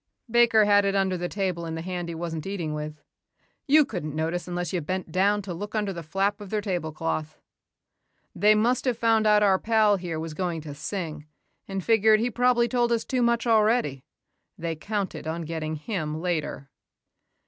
"Baker had it under the table in the hand he wasn't eating with. You couldn't notice unless you bent down to look under the flap of their tablecloth. They must have found out their pal here was going to sing and figured he probably told us too much already. They counted on getting him later."